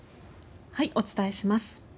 お伝えします。